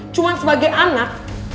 cuma sebagai anak